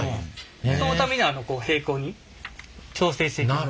そのために平行に調整していきます。